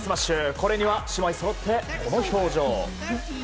これには姉妹そろってこの表情。